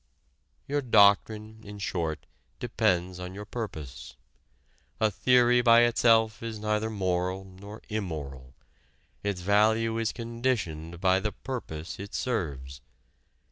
Your doctrine, in short, depends on your purpose: a theory by itself is neither moral nor immoral, its value is conditioned by the purpose it serves.